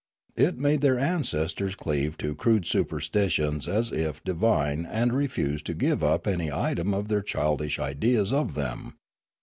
It made their ancestors cleave to crude superstitions as if divine and refuse to give up any item of their childish ideas of them.